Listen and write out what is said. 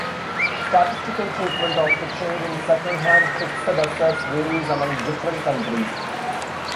Statistical treatment of the trade in second-hand fixed assets varies among different countries.